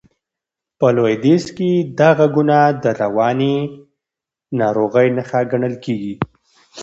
په لوېدیځ کې دا غږونه د رواني ناروغۍ نښه ګڼل کېږي.